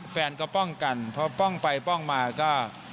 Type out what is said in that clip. แฟนก็ป้องกันเพราะป้องไปป้องมาก็